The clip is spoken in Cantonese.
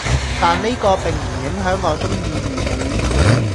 但呢個並唔影響我中意粵語‘